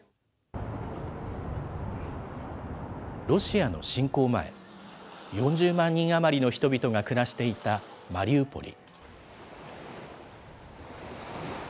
ロシアの侵攻前、４０万人余りの人々が暮らしていたマリウポリ。